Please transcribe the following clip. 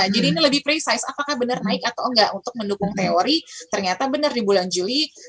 jadi ini lebih precise apakah benar naik atau enggak untuk mendukung teori ternyata benar di bulan juli